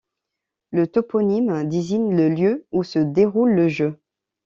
Le toponyme désigne le lieu où se déroule le jeu.